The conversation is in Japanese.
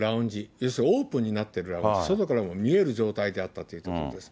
要するにオープンになっているラウンジ、外からも見える状態であったということです。